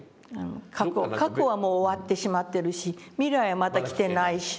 過去はもう終わってしまっているし未来はまだ来てないでしょ。